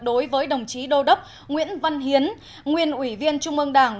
đối với đồng chí đô đốc nguyễn văn hiến nguyên ủy viên trung ương đảng